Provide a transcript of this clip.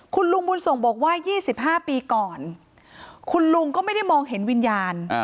คุณลุงบุญส่งบอกว่า๒๕ปีก่อนคุณลุงก็ไม่ได้มองเห็นวิญญาณ